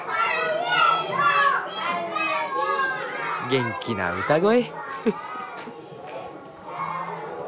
元気な歌声。